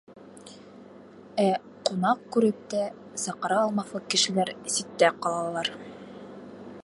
Ә ҡунаҡ күреп тә, саҡыра алмаҫлыҡ кешеләр ситтә ҡалалар.